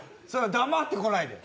黙ってこないで。